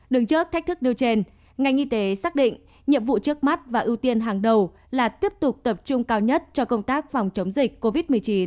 đứng trước thách thức nêu trên ngành y tế xác định nhiệm vụ trước mắt và ưu tiên hàng đầu là tiếp tục tập trung cao nhất cho công tác phòng chống dịch covid một mươi chín